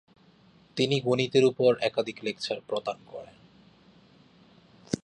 তিনি গণিতের ওপর একাধিক লেকচার প্রদান করেন।